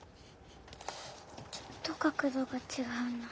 ちょっと角度がちがうな。